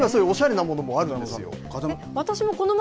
今そういうおしゃれなものもあるんですよ。